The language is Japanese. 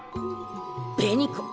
紅子！